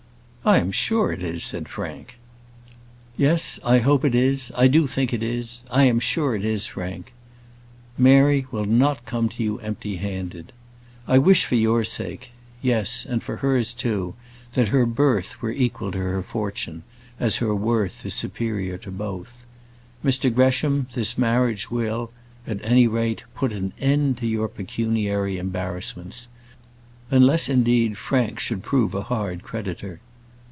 "I am sure it is," said Frank. "Yes; I hope it is. I do think it is; I am sure it is, Frank. Mary will not come to you empty handed. I wish for your sake yes, and for hers too that her birth were equal to her fortune, as her worth is superior to both. Mr Gresham, this marriage will, at any rate, put an end to your pecuniary embarrassments unless, indeed, Frank should prove a hard creditor.